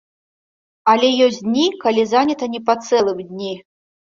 Але ёсць дні, калі занята не па цэлым дні.